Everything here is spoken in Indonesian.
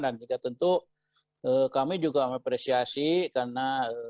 dan kita tentu kami juga mengapresiasi karena